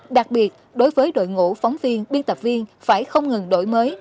đặc biệt đối với đội ngũ phóng viên biên tập viên phải không ngừng đổi mới